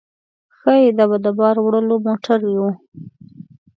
ښايي دا به د بار وړلو موټر و.